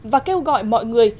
và kêu gọi mọi người